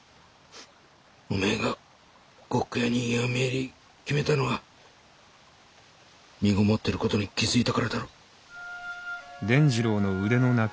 おめえが呉服屋に嫁入り決めたのはみごもってる事に気付いたからだろ？